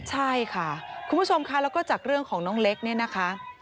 ใช่ค่ะคุณผู้ชมค่ะแล้วก็จากเรื่องของน้องเล็กเนี่ยนะคะ